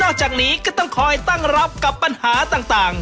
จากนี้ก็ต้องคอยตั้งรับกับปัญหาต่าง